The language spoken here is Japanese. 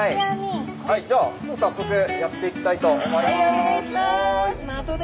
じゃあ早速やっていきたいと思います。